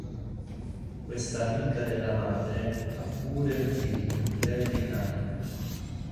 Questa amica della madre ha pure un figlio Terry Kang.